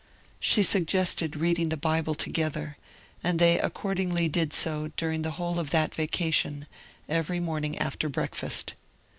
She suggested reading the Bible together; and they accordingly did so during the whole of that Vacation, every morning after breakfast.